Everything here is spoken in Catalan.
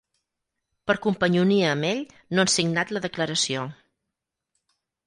Per companyonia amb ell no han signat la declaració.